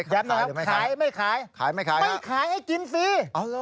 ยัดหน่อยครับขายไม่ขายไม่ขายให้กินฟรี